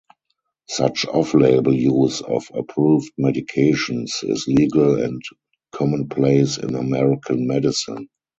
Such off-label use of approved medications is legal and commonplace in American medicine.